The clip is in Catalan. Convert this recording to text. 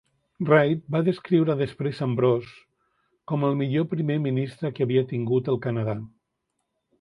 Reid va descriure després Ambrose com el millor primer ministre que havia tingut el Canadà.